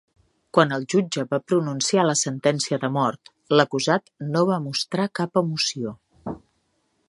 Quan el jutge va pronunciar la sentència de mort, l'acusat no va mostrar cap emoció.